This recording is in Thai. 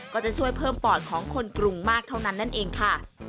ก็จะช่วยเพิ่มปอดของคนกรุงมากเท่านั้นนั่นเองค่ะ